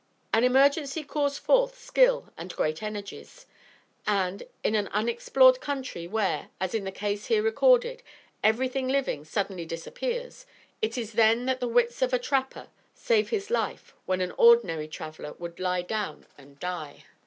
An emergency calls forth skill and great energies; and, in an unexplored country where, as in the case here recorded, everything living suddenly disappears, it is then that the wits of a trapper save his life when an ordinary traveler would lie down and die.